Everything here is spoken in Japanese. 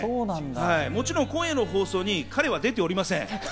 もちろん今夜の放送に彼は出ておりません。